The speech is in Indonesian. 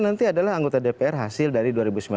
nanti adalah anggota dpr hasil dari